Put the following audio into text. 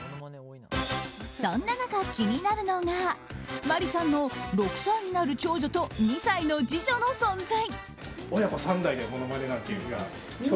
そんな中、気になるのが麻里さんの６歳になる長女と２歳の次女の存在。